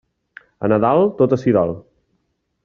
A Nadal, tot ací dalt.